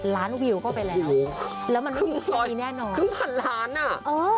๕๒๐ล้านวิวก็ไปแล้วแล้วมันไม่ได้มีเงี่ยนแน่นอนครึ่งพันล้านอ่ะอ๋อค่ะ